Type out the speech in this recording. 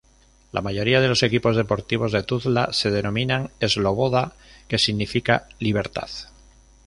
La mayoría de los equipos deportivos de Tuzla se denominan "Sloboda",que significa "libertad".